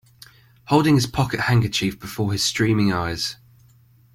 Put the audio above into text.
Holding his pocket handkerchief before his streaming eyes.